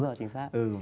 đúng rồi chính xác